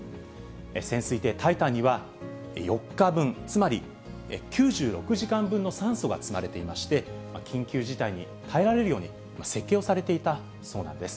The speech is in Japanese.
潜水艇タイタンには、４日分、つまり９６時間分の酸素が積まれていまして、緊急事態に耐えられるように設計をされていたそうなんです。